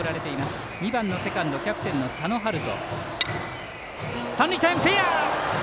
バッター２番のセカンド、キャプテンの佐野春斗。